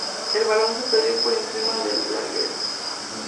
El balón se perdió por encima del larguero.